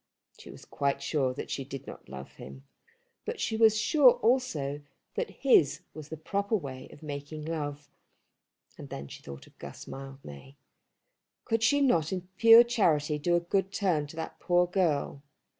She was quite sure that she did not love him, but she was sure also that his was the proper way of making love. And then she thought of Guss Mildmay. Could she not in pure charity do a good turn to that poor girl?